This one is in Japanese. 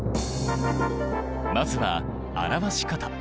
まずは表し方。